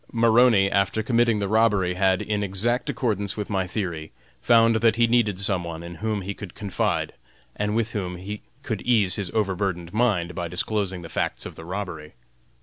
Maroney, after committing the robbery, had, in exact accordance with my theory, found that he needed some one in whom he could confide, and with whom he could ease his overburdened mind by disclosing the facts of the robbery.